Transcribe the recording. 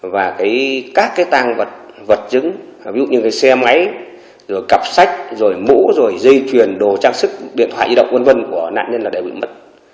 và các cái tàng vật chứng ví dụ như cái xe máy rồi cặp sách rồi mũ rồi dây truyền đồ trang sức điện thoại di động vân vân của nạn nhân là đã bị mất